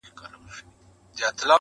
خپـله گرانـه مړه مي په وجود كي ده~